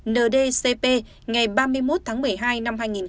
ndcp ngày ba mươi một tháng một mươi hai